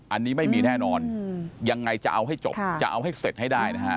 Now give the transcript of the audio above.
อันนี้ไม่มีแน่นอนยังไงจะเอาให้จบจะเอาให้เสร็จให้ได้นะฮะ